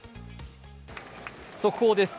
速報です。